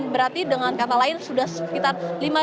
berarti dengan kata lain sudah sekitar